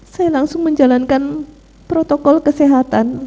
saya langsung menjalankan protokol kesehatan